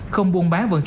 không buôn bán vận chuyển